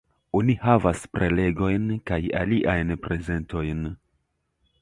Oni havas prelegojn kaj aliajn prezentojn.